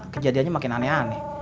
kejadiannya makin aneh aneh